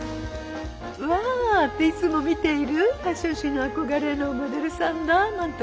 うわっていつも見ているファッション誌の憧れのモデルさんだなんて思って。